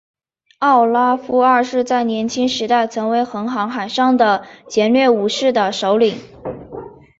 奥拉夫二世在年轻时代曾为横行海上的劫掠武士的首领。